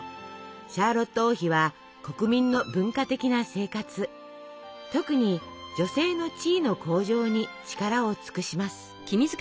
シャーロット王妃は国民の文化的な生活特に女性の地位の向上に力を尽くします。